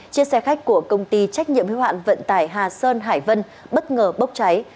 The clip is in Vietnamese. chiếc xe khách của công ty trách nhiệm hiếu hạn vận tải hà sơn hải vân bất ngờ bốc cháy